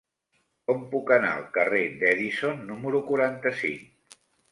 Com puc anar al carrer d'Edison número quaranta-cinc?